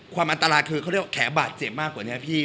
ความอันตรายคือเขาเรียกว่าแขบาดเจ็บมากกว่านี้พี่